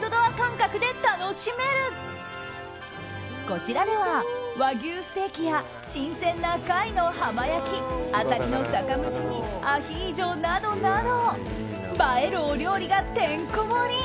こちらでは、和牛ステーキや新鮮な貝の浜焼きアサリの酒蒸しにアヒージョなどなど映えるお料理がてんこ盛り！